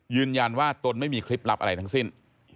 ยืนยันว่าตนไม่มีคลิปลับอะไรทั้งสิ้น